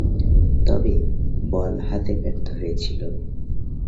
তবে, বল হাতে ব্যর্থ হয়েছিলেন।